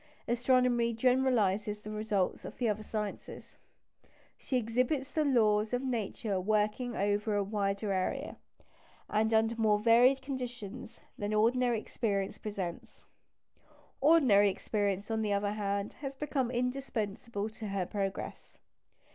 Astronomy generalises the results of the other sciences. She exhibits the laws of Nature working over a wider area, and under more varied conditions, than ordinary experience presents. Ordinary experience, on the other hand, has become indispensable to her progress.